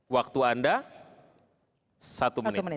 waktu anda satu menit